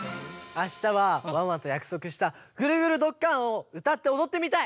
あしたはワンワンとやくそくした「ぐるぐるどっかん！」をうたっておどってみたい！